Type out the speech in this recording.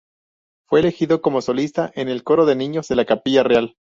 Fue elegido como solista en el coro de niños de la Capilla Real.